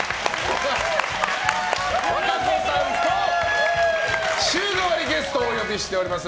和歌子さんと週替わりゲストをお呼びしています。